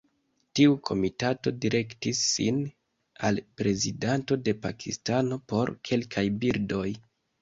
Tiu komitato direktis sin al Prezidento de Pakistano por kelkaj birdoj.